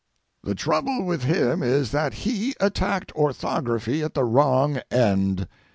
The trouble with him is that he attacked orthography at the wrong end.